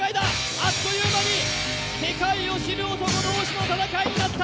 あっという間に世界を知る男同士の戦いになった。